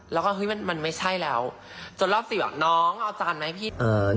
แล้วก็มันไม่ใช่แล้วจนรอบ๔น้องเอาจานมาให้พี่หน่อย